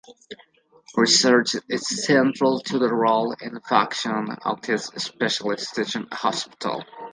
Research is central to the role and function of this specialist teaching hospital.